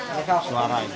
nge rekap suara itu